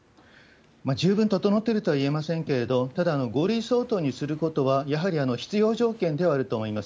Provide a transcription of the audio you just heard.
十分整っているとはいえませんけれども、ただ５類相当にすることはやはり必要条件ではあると思います。